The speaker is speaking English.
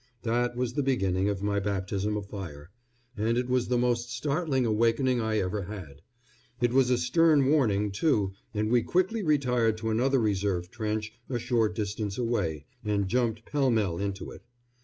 That was the beginning of my baptism of fire, and it was the most startling awakening I ever had. It was a stern warning, too, and we quickly retired to another reserve trench a short distance away and jumped pell mell into it.